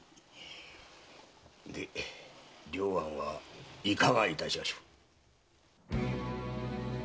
で良安はいかがいたしましょう？